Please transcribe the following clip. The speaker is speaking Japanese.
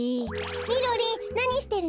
みろりんなにしてるの？